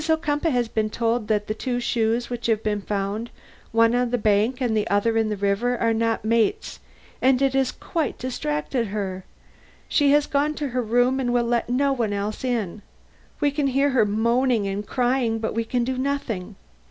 Ocumpaugh has been told that the two shoes which have been found, one on the bank and the other in the river, are not mates, and it has quite distracted her. She has gone to her room and will let no one else in. We can hear her moaning and crying, but we can do nothing.